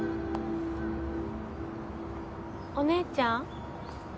お姉ちゃん？